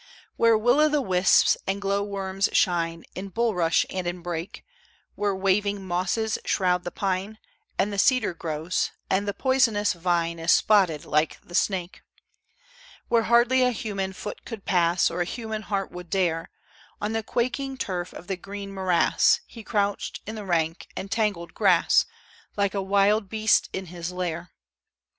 Where will o' the wisps and glowworms shine, In bulrush and in brake; Where waving mosses shroud the pine, And the cedar grows, and the poisonous vine Is spotted like the snake; Where hardly a human foot could pass, Or a human heart would dare, On the quaking turf of the green morass He crouched in the rank and tangled grass, Like a wild beast in his lair.